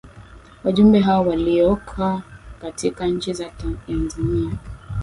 Wajumbe hao waliyoka katika nchi za Tanzania